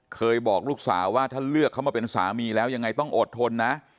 เคยบอกลูกสาวว่าถ้าเลือกเขามาเป็นสามีแล้วยังไงต้องอดทนนะ